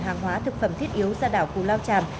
hàng hóa thực phẩm thiết yếu ra đảo cù lao tràm